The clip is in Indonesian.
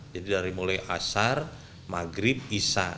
jadi dari mulai asar maghrib isya